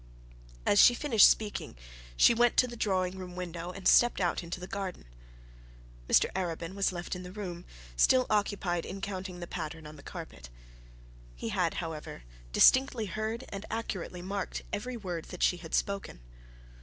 As she finished speaking, she walked to the drawing room window, and stepped out into the garden. Mr Arabin was left in the room, still occupied in counting the pattern on the carpet. He had, however, distinctly heard and accurately marked every word that she had spoken.